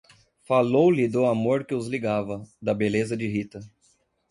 Falou-lhe do amor que os ligava, da beleza de Rita.